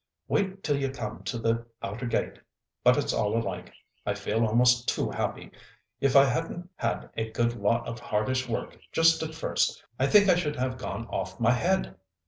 Wait till you come to the outer gate. But it's all alike. I feel almost too happy. If I hadn't had a good lot of hardish work just at first, I think I should have gone off my head."